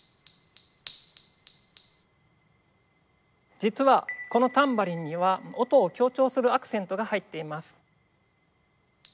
実はこのタンバリンには音を強調するアクセントが入っています。